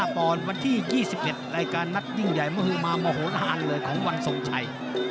ปอนด์วันที่๒๑รายการนัดยิ่งใหญ่มหือมามโหลานเลยของวันทรงชัย